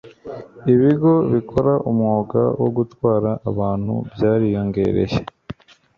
ibigo bikora umwuga wo gutwara abantu byariyongereye